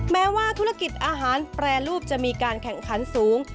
แม้ว่าธุรกิจอาหารแปรรูปจะมีการแข่งขันสูง